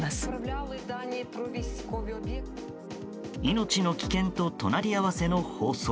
命の危険と隣り合わせの放送。